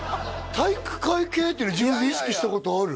体育会系っていうの自分で意識したことある？